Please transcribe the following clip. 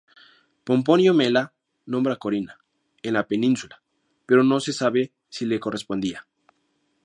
Pomponio Mela nombra Corina, en la península, pero no se sabe si le correspondía.